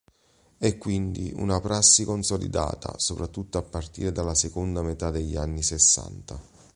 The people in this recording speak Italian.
È quindi una prassi consolidata, soprattutto a partire dalla seconda metà degli anni sessanta.